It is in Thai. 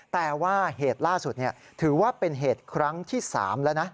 แต่ว่าเหตุล่าสุดถือว่าเป็นเหตุครั้งที่๓แล้วนะ